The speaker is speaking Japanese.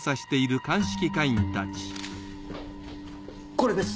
これです